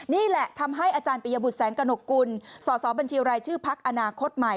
นี่แหละทำให้อาจารย์ปริยบุตรแสงกระหนกกุลสอสอบัญชีรายชื่อพักอนาคตใหม่